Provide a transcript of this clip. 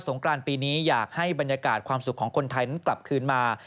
กรานปีนี้อยากให้บรรยากาศความสุขของคนไทยนั้นกลับคืนมา